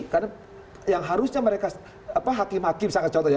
karena yang harusnya mereka hakim hakim misalkan contoh ya